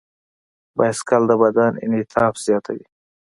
بایسکل د بدن انعطاف زیاتوي.